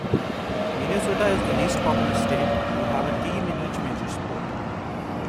Minnesota is the least populous state to have a team in each major sport.